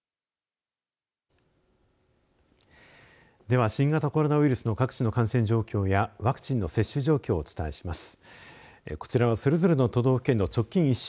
では新型コロナウイルスの各地の感染状況やワクチンの接種状況をお伝えします。